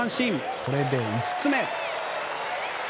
これで５つ目。